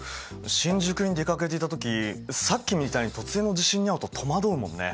新宿に出かけていた時さっきみたいに突然の地震に遭うと戸惑うもんね。